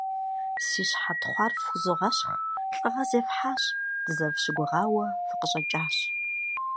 Си щхьэ тхъуар фхузогъэщхъ, лӀыгъэ зефхьащ, дызэрыфщыгугъауэ фыкъыщӀэкӀащ!